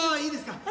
いいですか。